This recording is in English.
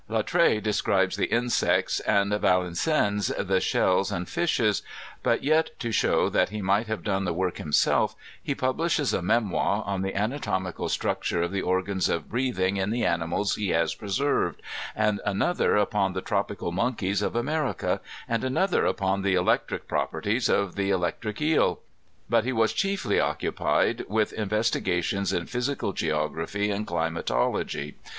Latreille describes the insects, and Valenciennes the shells and the fishes ; but yet to show that he might have done the work himself, he publishes a memoir on the anatomical structure of the organs of breathing in the animals he has preserved, and another upon the tropical monkeys of America, and another upon the electric properties of the electric eel. But he was chiefly occupied with investigations in physical geography and climatology.